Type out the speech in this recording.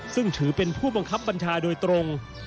ซึ่งถือเป็นผู้บังคับบัญชาโดยตรง